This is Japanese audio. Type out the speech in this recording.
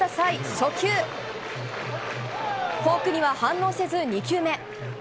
初球のフォークには反応せず２球目。